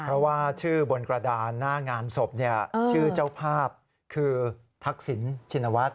เพราะว่าชื่อบนกระดานหน้างานศพชื่อเจ้าภาพคือทักษิณชินวัฒน